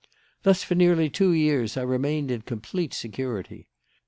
"Thus, for nearly two years, I remained in complete security.